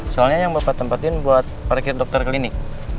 soalnya yang bapak tempatin buat parkir dokter klinik